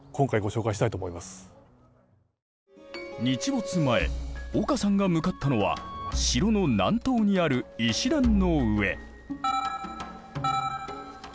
日没前岡さんが向かったのは城の南東にある石段の上。